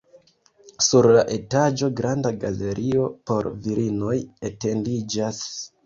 Sur la etaĝo granda galerio por virinoj etendiĝas.